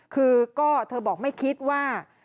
คือก็เธอบอกไม่คิดว่า